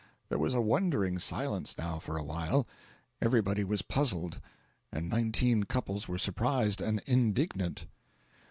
There was a wondering silence now for a while. Everybody was puzzled, and nineteen couples were surprised and indignant.